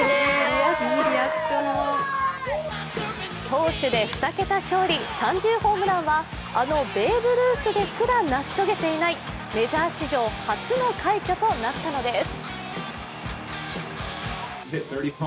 投手で２桁勝利・３０ホームランはあのベーブ・ルースですら成し遂げていないメジャー史上初の快挙となったのです。